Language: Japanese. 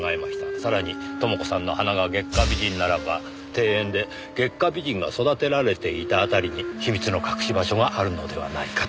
さらに「朋子さんの花」が月下美人ならば庭園で月下美人が育てられていた辺りに秘密の隠し場所があるのではないかと。